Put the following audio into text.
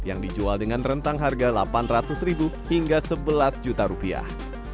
yang dijual dengan rentang harga delapan ratus ribu hingga sebelas juta rupiah